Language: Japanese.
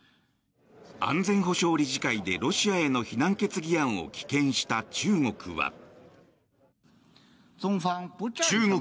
安全保障理事会でロシアへの非難決議案を棄権した中国は。